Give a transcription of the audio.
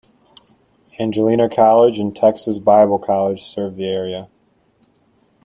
Angelina College and Texas Bible College serve the area.